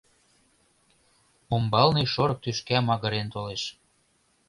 Умбалне шорык тӱшка магырен толеш.